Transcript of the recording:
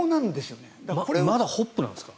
まだホップなんですか。